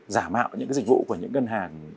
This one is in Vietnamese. giả mạo những cái dịch vụ của những ngân hàng